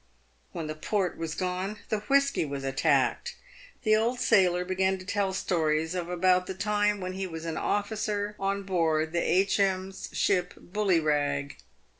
"When the port was gone, the whisky was attacked. The old sailor began to tell stories of about the time when he was an officer on board H.M.'s ship Bullyrag.